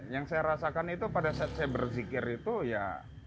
yang saya rasakan itu pada saat saya berzikir itu ya